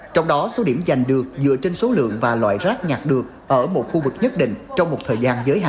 trong đó số điểm giành được dựa trên số lượng và loại rác nhạt được ở một khu vực nhất định trong một thời gian giới hạn